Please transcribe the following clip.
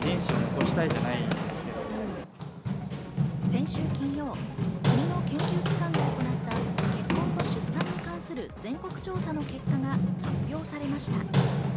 先週金曜、国の研究機関が行った結婚と出産に関する全国調査の結果が発表されました。